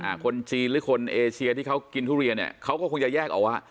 คนจีนหรือคนเอเชียที่เขากินทุเรียนเนี้ยเขาก็คงจะแยกออกว่า